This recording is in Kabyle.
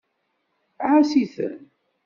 Ɛass-itent.